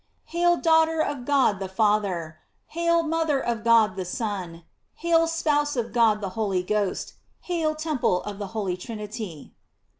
Hail, daughter of God the Father; hail, mother of God the Son; hail, spouse of God the Holy Ghost, hail, temple of the holy Trinity.